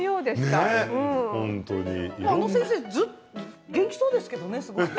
あの先生元気そうですけどね。